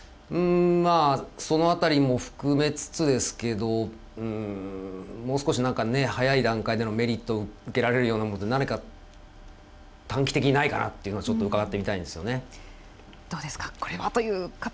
その辺りも含めつつですけどもう少し早い段階のメリットを受けられるようなもの何か短期的にないかなとちょっと伺ってみたいです。